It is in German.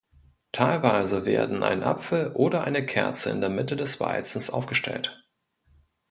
Teilweise werden ein Apfel oder eine Kerze in der Mitte des Weizens aufgestellt.